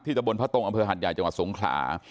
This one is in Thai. ที่ตะบลพระตรงอำเภอหันยาจังหวัดสูงขลา